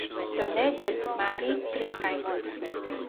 Donegan married three times.